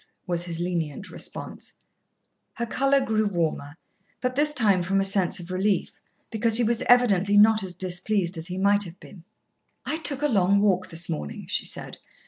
was his lenient response. Her colour grew warmer, but this time from a sense of relief, because he was evidently not as displeased as he might have been. "I took a long walk this morning," she said.